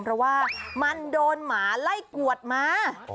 เพราะว่ามันโดนหมาไล่กวดมา